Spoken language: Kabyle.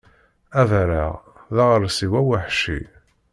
Abareɣ d aɣersiw aweḥci.